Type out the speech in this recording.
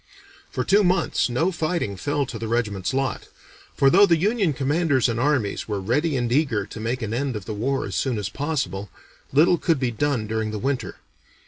For two months no fighting fell to the regiment's lot, for though the Union commanders and armies were ready and eager to make an end of the war as soon as possible, little could be done during the winter.